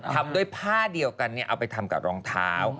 ทำด้วยผ้าเดียวกันเอาไปทำกับรองเท้า